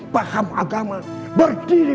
masalah yang ini